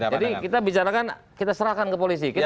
jadi kita bicarakan kita serahkan ke polisi